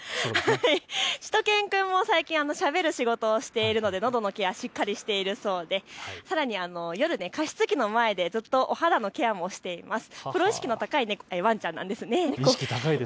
しゅと犬くんも最近、しゃべる仕事をしているのでのどのケア、しっかりしているそうでさらに夜は加湿器の前でずっとお肌のケアもしています。